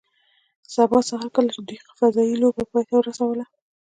سبا سهار کله چې دوی فضايي لوبه پای ته ورسوله